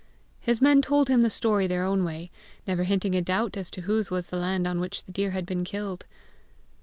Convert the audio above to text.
His men told him the story their own way, never hinting a doubt as to whose was the land on which the deer had been killed.